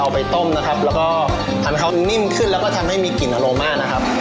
ไปต้มนะครับแล้วก็ทำให้เขานิ่มขึ้นแล้วก็ทำให้มีกลิ่นอโนมานะครับ